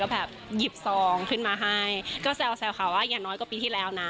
แบบหยิบซองขึ้นมาให้ก็แซวค่ะว่าอย่างน้อยกว่าปีที่แล้วนะ